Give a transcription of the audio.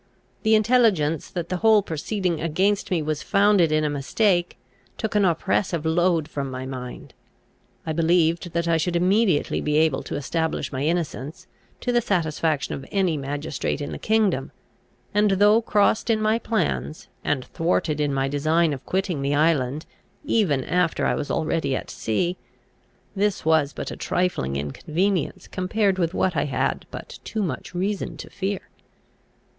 The intelligence that the whole proceeding against me was founded in a mistake, took an oppressive load from my mind. I believed that I should immediately be able to establish my innocence, to the satisfaction of any magistrate in the kingdom; and though crossed in my plans, and thwarted in my design of quitting the island, even after I was already at sea, this was but a trifling inconvenience compared with what I had had but too much reason to fear.